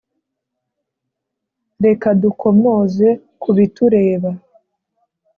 reka dukomoze kubitureba